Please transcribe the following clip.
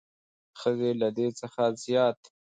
ښځې له دې څخه زیات